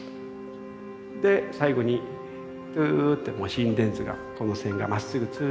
で最後にプーッてもう心電図がこの線がまっすぐツーッとなりました。